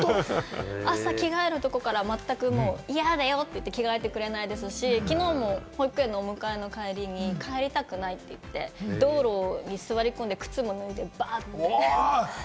朝着替えるときから嫌だよって言って着替えないですし、きのうも保育園のお迎えのときに帰りたくないって言って、道路に座り込んで靴持ってバンって。